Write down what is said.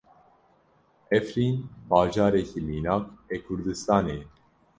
Efrîn bajarekî mînak ê Kurdistanê ye.